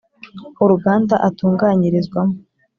uruganda atunganyirizwamo